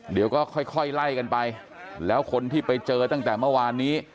เดี๋ยวก็ค่อยไล่กันไปแล้วคนที่ไปเจอตั้งแต่เมื่อวานนี้